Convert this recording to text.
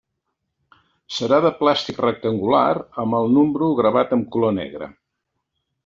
Serà de plàstic rectangular, amb el número gravat en color negre.